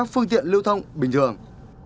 phương tiện lưu thông bình thường